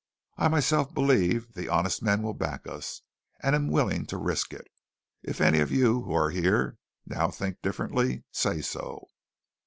I myself believe the honest men will back us, and am willing to risk it. If any of you who are here now think differently, say so."